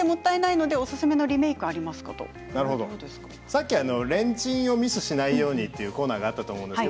さっきはレンチンがミスしないようにというコーナーがあったと思います。